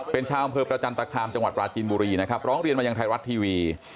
เป็นชาวอำเภอประจันตคามจังหวัดปราจีนบุรีนะครับร้องเรียนมายังไทยรัฐทีวี